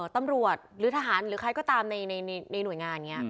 ตำรวจหรือทหารหรือใครก็ตามในหน่วยงานนี้